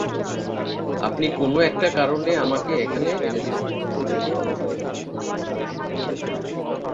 আপনি কোনো একটা কারণে আমাকে এখানে এনেছেন।